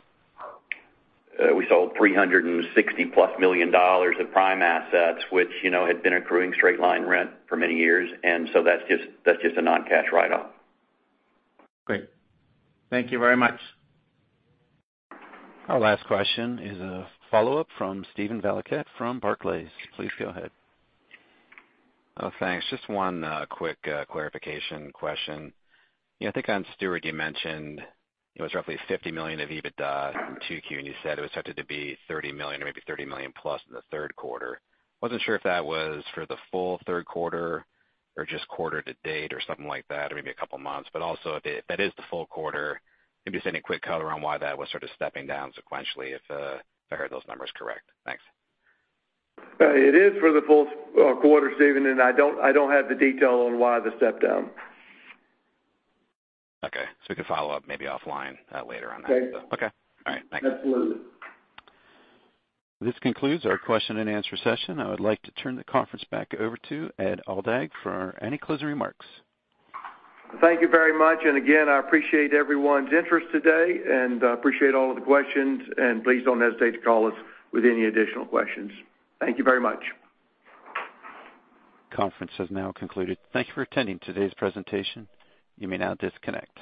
We sold $360 million+ of Prime assets, which, you know, had been accruing straight line rent for many years. That's just a non-cash write-off. Great. Thank you very much. Our last question is a follow-up from Steven Valiquette from Barclays. Please go ahead. Oh, thanks. Just one quick clarification question. I think on Steward, you mentioned it was roughly $50 million of EBITDA in 2Q, and you said it was expected to be $30 million or maybe $30 million+ in the third quarter. Wasn't sure if that was for the full third quarter or just quarter to date or something like that or maybe a couple of months. Also, if that is the full quarter, maybe just any quick color on why that was sort of stepping down sequentially if I heard those numbers correct. Thanks. It is for the full quarter, Steven, and I don't have the detail on why the step down. Okay. We can follow up maybe offline, later on that. Okay. Okay. All right. Thanks. Absolutely. This concludes our question-and-answer session. I would like to turn the conference back over to Ed Aldag for any closing remarks. Thank you very much. Again, I appreciate everyone's interest today, and I appreciate all of the questions, and please don't hesitate to call us with any additional questions. Thank you very much. Conference has now concluded. Thank you for attending today's presentation. You may now disconnect.